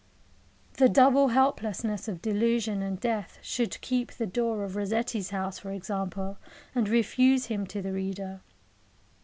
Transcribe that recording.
The double helplessness of delusion and death should keep the door of Rossetti's house, for example, and refuse him to the reader.